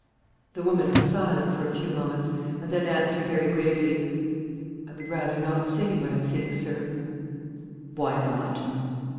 The woman was silent for a few moments, and then answered very gravely, "I would rather not say what I think, sir." "Why not?"